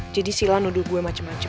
jadi sila nuduh gue macem macem